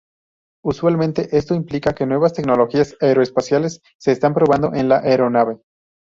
Usualmente, esto implica que nuevas tecnologías aeroespaciales se están probando en la aeronave.